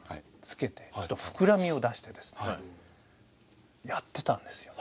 つけてちょっと膨らみを出してですねやってたんですよ。